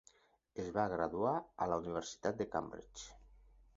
Es va graduar a la Universitat de Cambridge.